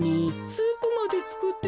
スープまでつくってたし。